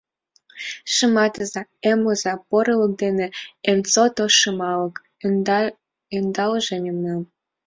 Шыматыза, эмлыза порылык дене, Эн сото шымалык ӧндалже мемнам.